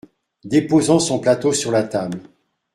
Déposant son plateau sur la table.